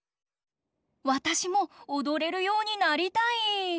わたしもおどれるようになりたい！